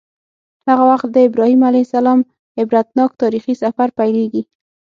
هغه وخت د ابراهیم علیه السلام عبرتناک تاریخي سفر پیلیږي.